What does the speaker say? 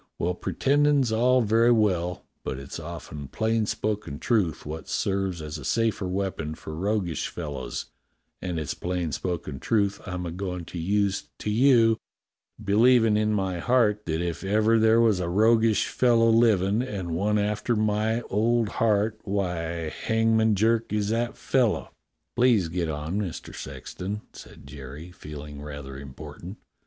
Well, pretendin' all's very well, but it's often plain spoken truth wot serves as a safer weapon for roguish fellows, and it's plain spoken truth I'm a goin' to use to you, believin' in my heart that if ever there was a roguish fellow livin', and one after my old heart, why, Hangman Jerk is that fellow." "Please get on, JVIister Sexton," said Jerry, feeling rather important.